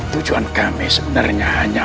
tujuan kami sebenarnya hanya